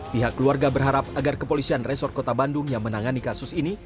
pihak keluarga berharap agar kepolisian resort kota bandung yang menangani kasus ini